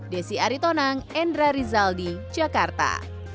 desi aritonang endra rizal di jakarta